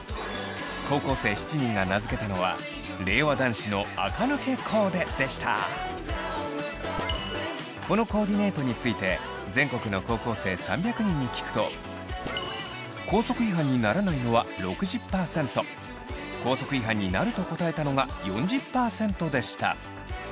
高校生７人が名付けたのはこのコーディネートについて全国の高校生３００人に聞くと校則違反にならないのは６０％校則違反になると答えたのが４０％でした。